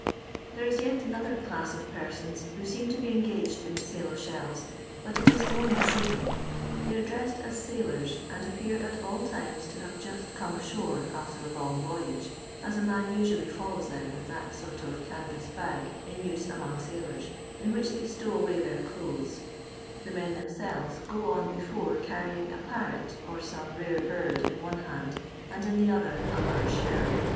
There is yet another class of persons who seem to be engaged in the sale of shells, but it is only seeming. They are dressed as sailors, and appear at all times to have just come ashore after a long voyage, as a man usually follows them with that sort of canvas bag in use among sailors, in which they stowaway their clothes; the men themselves go on before carrying a parrot or some rare bird in one hand, and in the other a large shell.